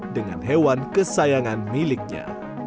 dengan hewan kesayangan miliknya